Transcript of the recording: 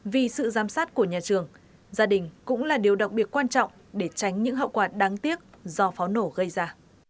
vì sự giám sát của nhà trường gia đình cũng là điều đặc biệt quan trọng để tránh những hậu quả đáng tiếc do pháo nổ gây ra